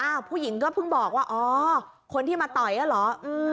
อ้าวผู้หญิงก็เพิ่งบอกว่าอ๋อคนที่มาป์อย่าง้อนเหรอ